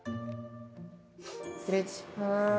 失礼します。